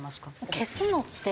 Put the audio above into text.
消すのって